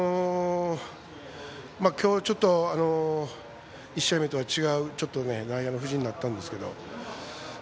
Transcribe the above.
今日、ちょっと１試合目とは違う内野の布陣になったんですけど。